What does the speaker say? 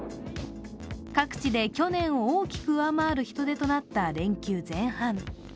各地で去年を大きく上回る人出となった連休前半。